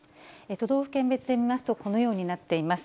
都道府県別で見ますと、このようになっています。